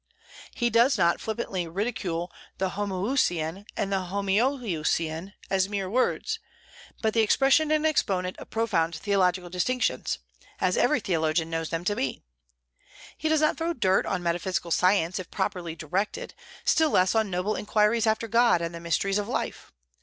He does not flippantly ridicule the homoousian and the homoiousian as mere words, but the expression and exponent of profound theological distinctions, as every theologian knows them to be. He does not throw dirt on metaphysical science if properly directed, still less on noble inquiries after God and the mysteries of life.